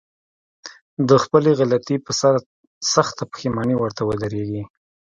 د خپلې غلطي په سر سخته پښېماني ورته ودرېږي.